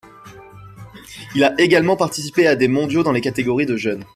Il a également participé à des mondiaux dans les catégories de jeunes.